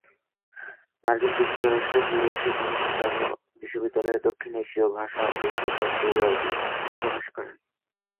মার্কিন যুক্তরাষ্ট্রে ফিরে এসে তিনি শিকাগো বিশ্ববিদ্যালয়ের দক্ষিণ এশীয় ভাষা ও সভ্যতা বিভাগে প্রবেশ করেন।